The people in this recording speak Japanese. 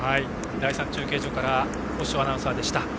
第３中継所から法性アナウンサーでした。